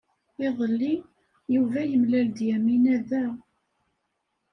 Iḍelli, Yuba yemlal-d Yamina da.